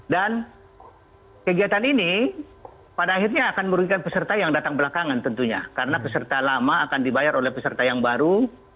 dan kegiatan ini pada akhirnya akan merugikan peserta yang datang belakangan tentunya karena peserta lama akan dibayar oleh peserta yang baru